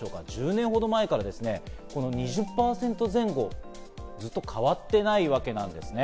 １０年ほど前から２０％前後、ずっと変わっていないわけなんですね。